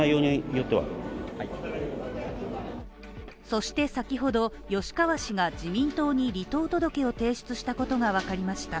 そして先ほど吉川氏が自民党に離党届を提出したことが分かりました。